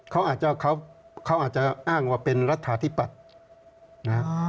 เขาอาจจะอ้างว่าเป็นรัฐฐาธิปัตย์นะครับ